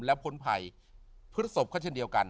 และพ้นภัยพฤศบก็จะเหนียวกัน